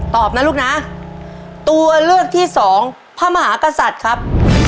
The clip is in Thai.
ตอบนะลูกนะตัวเลือกที่สองพระมหากษัตริย์ครับ